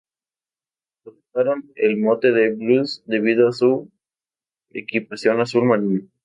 Adoptaron el mote de "Blues", debido a su equipación azul marino.